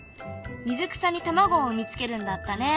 水草に卵を産み付けるんだったね。